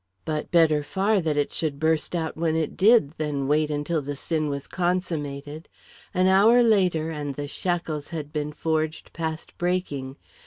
But better far that it should burst out when it did, than wait until the sin was consummated; an hour later, and the shackles had been forged past breaking!